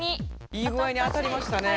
いいぐ合に当たりましたね。